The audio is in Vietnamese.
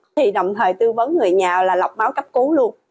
thì đồng thời tư vấn người nhà là lọc máu cấp cứu luôn